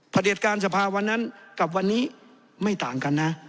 เด็จการสภาวันนั้นกับวันนี้ไม่ต่างกันนะ